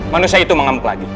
manusia itu mengamuk lagi